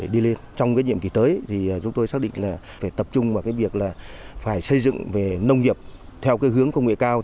đã đề ra